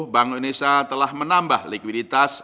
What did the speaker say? bank indonesia telah menambah likuiditas